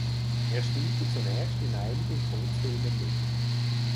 Er spielte zunächst in einigen Kurzfilmen mit.